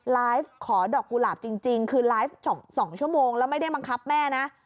ไลฟ์ขอดอกกุหลาบจริงคือไลฟ์๒ชั่วโมงแล้วไม่ได้บังคับแม่นะ